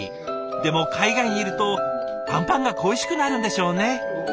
でも海外にいるとあんぱんが恋しくなるんでしょうね。